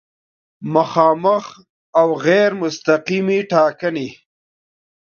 مخامخ او غیر مستقیمې ټاکنې